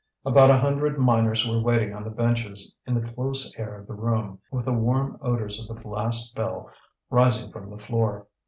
About a hundred miners were waiting on the benches in the close air of the room, with the warm odours of the last ball rising from the floor.